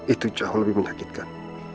itu jauh lebih menyakitkan